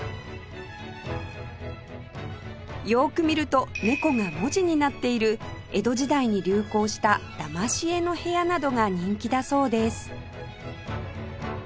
よーく見ると猫が文字になっている江戸時代に流行しただまし絵の部屋などが人気だそうです